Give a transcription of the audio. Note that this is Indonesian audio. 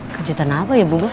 kejutan apa ya bu